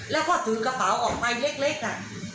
แล้วก็ถือกระเป๋าออกไปเล็กอ่ะ